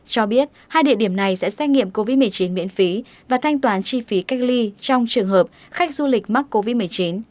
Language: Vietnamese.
cho biết hai địa điểm này sẽ xét nghiệm covid một mươi chín miễn phí và thanh toán chi phí cách ly trong trường hợp khách du lịch mắc covid một mươi chín